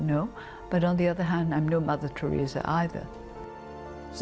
tapi di sisi lain saya bukan mother teresa juga